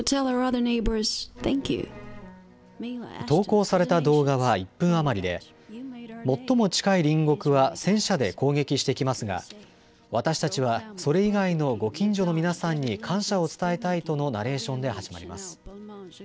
投稿された動画は１分余りで、最も近い隣国は戦車で攻撃してきますが、私たちはそれ以外のご近所の皆さんに感謝を伝えたいとのナレーションで始まります。